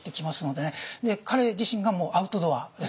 で彼自身がもうアウトドアです。